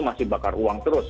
masih bakar uang terus